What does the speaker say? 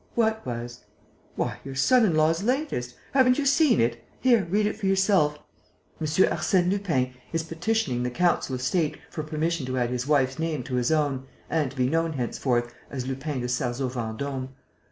"What was?" "Why, your son in law's latest! Haven't you seen it? Here, read it for yourself: 'M. Arsène Lupin is petitioning the Council of State for permission to add his wife's name to his own and to be known henceforth as Lupin de Sarzeau Vendôme.'"